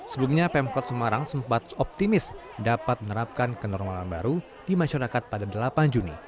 sebelumnya pemkot semarang sempat optimis dapat menerapkan kenormalan baru di masyarakat pada delapan juni